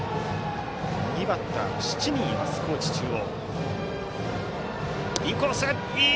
右バッターが７人います高知中央。